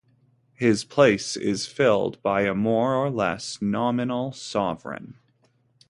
His place is filled by a more or less nominal sovereign.